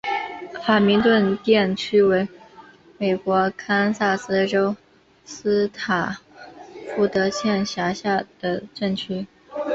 法明顿镇区为美国堪萨斯州斯塔福德县辖下的镇区。